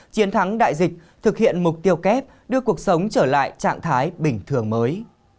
chiến thắng đại dịch thực hiện mục tiêu kép đưa cuộc sống trở lại trạng thái bình thường mới